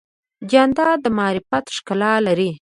جانداد د معرفت ښکلا لري.